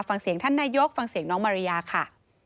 ฟังเสียงท่านนายกฟังเสียงน้องมาริยาค่ะ